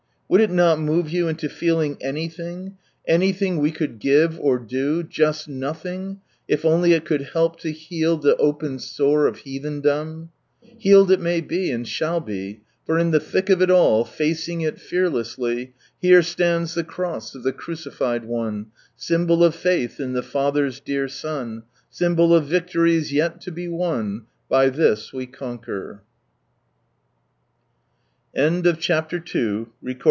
Would it not move you into feeling anything, anything we could give or do, just nothing, if only it cnuld help to heal the " open sore " of Heathendom ? Healed it may be, and shall be, for in the thick of it all, facing it fearlessly —" Here stands the Cross of the Crucified One, Symbol of faith in the Father's dear Son, Symbol of victories yet lo be won.